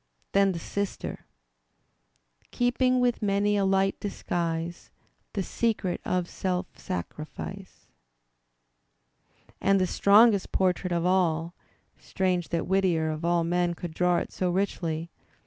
Then the sister Keeping with many a light disguise The secret of self sacrifice. And the strongest portrait of all (strange that Whittier of all men could draw it so richly!)